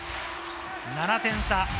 ７点差。